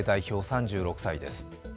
３６歳です。